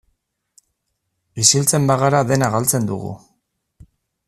Isiltzen bagara dena galtzen dugu.